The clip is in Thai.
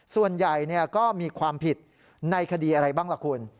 ส่วนใหญ่ก็มีความผิดในคดีอะไรบ้างล่ะคุณ